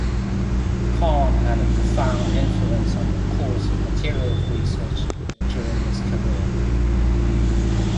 Cahn had a profound influence on the course of materials research during his career.